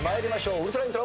ウルトライントロ。